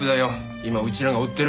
今うちらが追ってる。